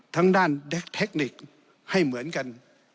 ทั้งด้านเทคนิคให้เหมือนกัน